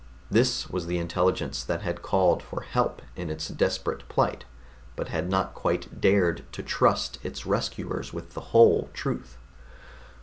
This was the intelligence that had called for help in its desperate plight, but had not quite dared to trust its rescuers with the whole truth.